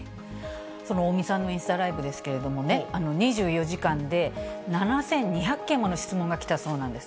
その尾身さんのインスタライブですけれどもね、２４時間で７２００件もの質問が来たそうなんです。